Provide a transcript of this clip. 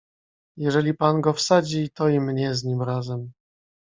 "Jeżeli pan go wsadzi, to i mnie z nim razem."